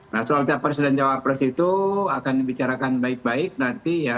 nah soal capres dan cawapres itu akan dibicarakan baik baik nanti ya